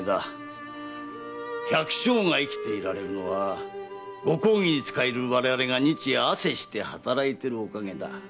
百姓が生きていられるのは御公儀に仕える我々が日夜汗して働いているおかげだ。